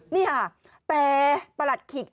นี่ค่ะแต่ประหลัดขิก